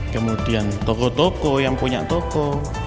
kemudian toko toko yang punya toko